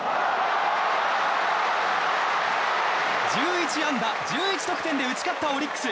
１１安打１１得点で打ち勝ったオリックス。